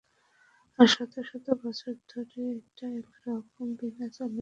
আর শত শত বছর ধরে এটা একরকম বিনা চ্যালেঞ্জে চলে আসছে।